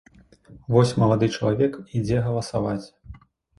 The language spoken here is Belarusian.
Вось малады чалавек ідзе галасаваць.